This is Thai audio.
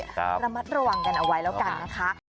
ระมัดระวังกันเอาไว้แล้วกันนะคะ